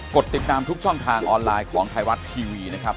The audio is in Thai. ดติดตามทุกช่องทางออนไลน์ของไทยรัฐทีวีนะครับ